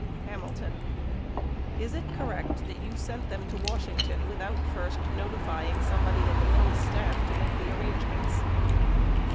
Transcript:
Hamilton. ... is it correct ... that you sent them to Washington without first notifying somebody in the Mills staff to make the arrangements?